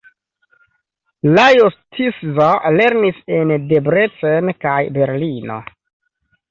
Lajos Tisza lernis en Debrecen kaj Berlino.